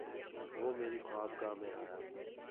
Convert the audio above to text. وہ میری خوابگاہ میں آیا